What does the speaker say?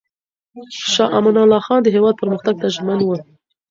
شاه امان الله خان د هېواد پرمختګ ته ژمن و.